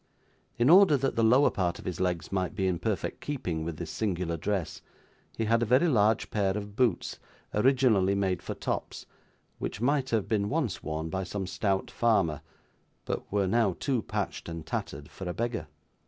In order that the lower part of his legs might be in perfect keeping with this singular dress, he had a very large pair of boots, originally made for tops, which might have been once worn by some stout farmer, but were now too patched and tattered for a beggar.